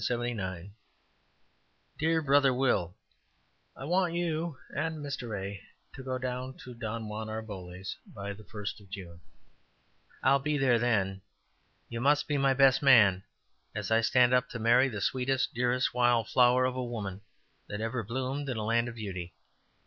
"DEAR BROTHER WILL: I want you and Mr. A. to go down to Don Juan Arboles's by the first of June. I will be there then. You must be my best man, as I stand up to marry the sweetest, dearest wild flower of a woman that ever bloomed in a land of beauty.